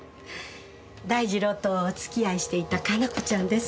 大二郎とお付き合いしていた可奈子ちゃんです。